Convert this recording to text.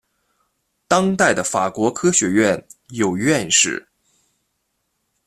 当代的法国科学院有院士。